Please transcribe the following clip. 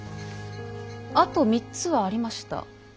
あと３つはありました。